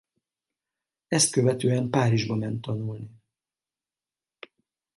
Ezt követően Párizsba ment tanulni.